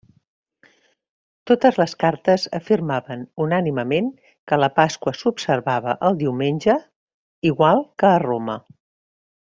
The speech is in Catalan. Totes les cartes afirmaven unànimement que la Pasqua s'observava el diumenge, igual que a Roma.